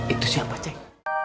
itu siapa ceng